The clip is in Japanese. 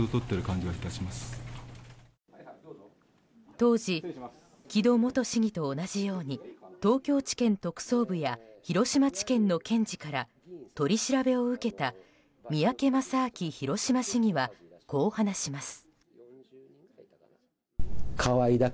当時、木戸元市議と同じように東京地検特捜部や広島地検の検事から取り調べを受けた三宅正明広島市議はこう話します。